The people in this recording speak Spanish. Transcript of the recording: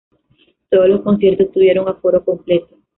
Todos los conciertos tuvieron aforo completo.